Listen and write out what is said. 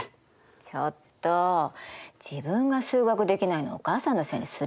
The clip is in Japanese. ちょっと自分が数学できないのをお母さんのせいにする？